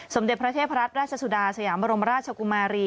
สมเด็จพระเทพรัตนราชสุดาสยามบรมราชกุมารี